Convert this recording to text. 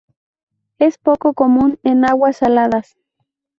Es poco común en aguas saladas.